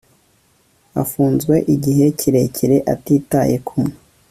afunzwe igihe kirekire atitaye ku